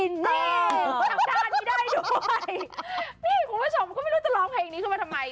นี่คุณผู้ชมก็ไม่รู้จะร้องเพลงอีกที่วันทำไม